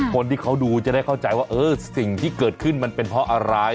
คนที่เขาดูจะได้เข้าใจว่าเออสิ่งที่เกิดขึ้นมันเป็นเพราะอะไร